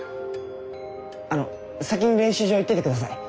あの先に練習場行っててください。